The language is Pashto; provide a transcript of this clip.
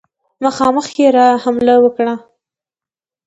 مخامخ یې را حمله وکړه.